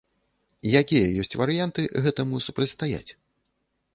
Якія ёсць варыянты гэтаму супрацьстаяць?